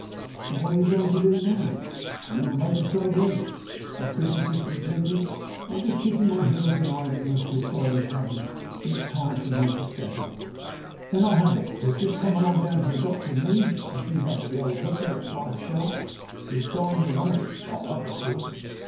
"And what are you going to do now?" "I haven't the remotest idea. My business is completed, and I'm just kicking my heels in idleness till Friday comes and it is time for me to set off." "Then I have it. You'll just come along down to the docks with me; I'm due back at the old hooker at five sharp. You'll dine with us pot luck, of course.